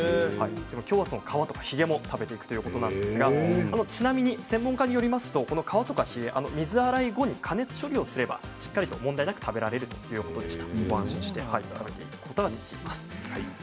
きょうは皮とかヒゲを食べていくということなんですが、ちなみに専門家によりますと皮とかヒゲ水洗い後に加熱処理をすればしっかりと問題なく食べられるということでした。